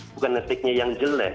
bukan netflixnya yang jelek